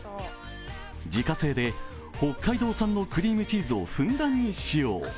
自家製で北海道産のクリームチーズをふんだんに使用。